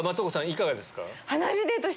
いかがですか？